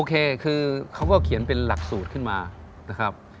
เคคือเขาก็เขียนเป็นหลักสูตรขึ้นมานะครับ